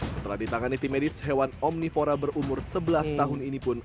setelah ditangani tim medis hewan omnivora berumur sebelas tahun ini pun